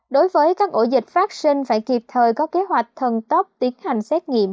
đối với các ổ dịch vaccine phải kịp thời có kế hoạch thần tốc tiến hành xét nghiệm